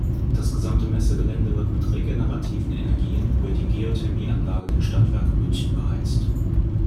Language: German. Das gesamte Messegelände wird mit regenerativen Energien über die Geothermie-Anlage der Stadtwerke München beheizt.